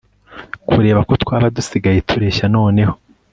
kureba ko twaba dusigaye tureshya noneho